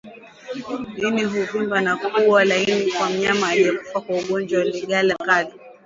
Ini huvimba na kuwa laini kwa mnyama aliyekufa kwa ugonjwa wa ndigana kali